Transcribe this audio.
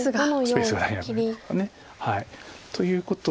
スペースが危ないとか。ということで。